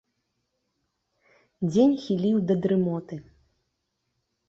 Дзень хіліў да дрымоты.